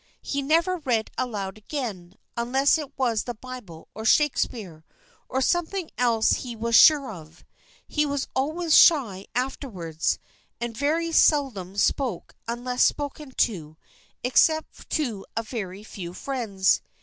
He never read aloud again, unless it was the Bible or Shakespeare, or something else he was sure of. He was always shy afterwards and very seldom spoke unless spoken to, except to a very few friends.